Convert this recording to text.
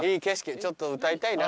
ちょっと歌いたいな。